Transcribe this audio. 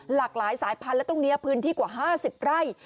หลากหลายสายพันธุ์และตรงนี้พื้นที่กว่า๕๐ไร่